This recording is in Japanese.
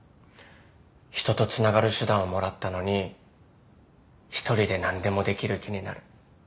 人とつながる手段をもらったのに１人で何でもできる気になる